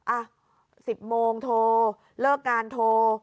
อ่ะ๑๐โมงโทรเลิกงานโทร